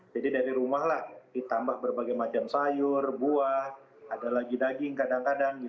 jadi dari rumahlah ditambah berbagai macam sayur buah ada lagi daging kadang kadang